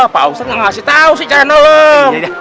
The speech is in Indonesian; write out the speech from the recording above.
pak ustaz nggak ngasih tau sih cara tolong